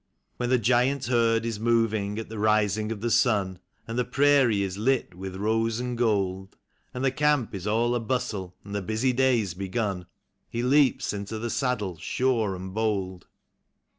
When the giant herd is moving at the rising of the sun, And the prairie is lit with rose and gold; And the camp is all abustle, and the busy day's begun, He leaps into the saddle sure and bold.